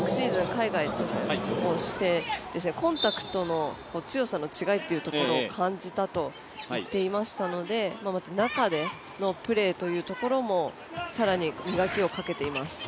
海外に挑戦をしてコンタクトの強さの違いというところを感じたと言っていましたので中でのプレーというところも更に、磨きをかけています。